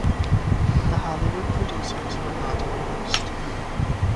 The Hollywood producers were not amused.